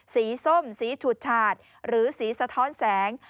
ส้มสีฉุดฉาดหรือสีสะท้อนแสง